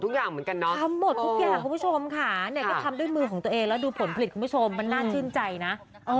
เหมือนกันเนาะทำหมดทุกอย่างคุณผู้ชมค่ะเนี่ยก็ทำด้วยมือของตัวเองแล้วดูผลผลิตคุณผู้ชมมันน่าชื่นใจนะ